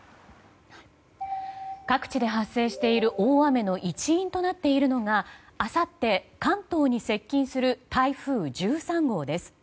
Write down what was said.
各地で発生している大雨の一因となっているのがあさって関東に接近する台風１３号です。